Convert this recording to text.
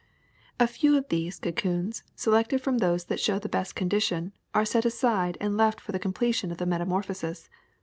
A few of these cocoons, selected from those that show the best condition, are set aside and left for the completion of the metamorphosis.